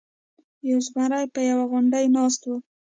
یو زمری په یوه غونډۍ ناست و.